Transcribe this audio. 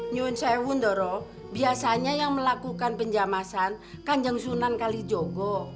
nyun sewundoro biasanya yang melakukan penjamasan kanjeng sunan kalijogo